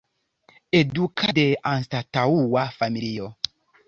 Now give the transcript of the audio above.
Edukata de anstataŭa familio.